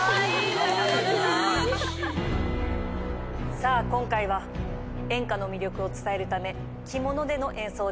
さあ今回は演歌の魅力を伝えるため着物での演奏です。